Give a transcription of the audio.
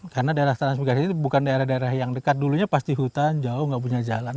karena daerah transmigrasi itu bukan daerah daerah yang dekat dulunya pasti hutan jauh gak punya jalan